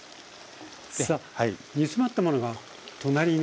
さあ煮詰まったものが隣にあります。